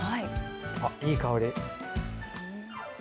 あっ、いい香り。